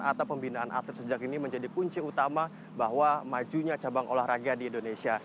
atau pembinaan atlet sejak ini menjadi kunci utama bahwa majunya cabang olahraga di indonesia